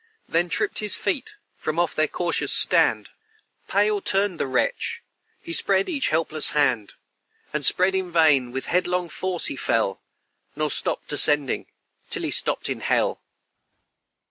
Then tripped his feet from off their cautious stand: Pale turned the wretch he spread each helpless hand, But spread in vain with headlong force he fell, Nor stopped descending till he stopped in hell!"